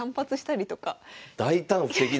大胆不敵な。